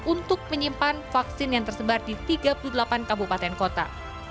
untuk menyimpan vaksin yang tersebar di tiga puluh delapan kabupaten kota